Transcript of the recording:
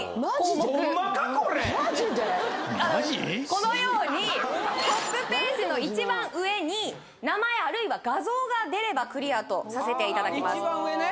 このようにトップページの一番上に名前あるいは画像が出ればクリアとさせていただきます一番上ね